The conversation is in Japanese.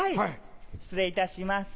失礼いたします。